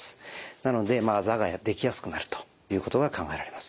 なのであざができやすくなるということが考えられます。